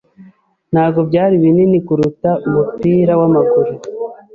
Ntabwo byari binini kuruta umupira wamaguru.